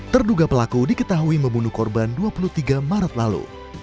terduga pelaku diketahui membunuh korban dua puluh tiga maret lalu